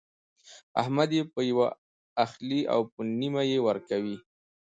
احمد يې په يوه اخلي او په نيمه يې ورکوي.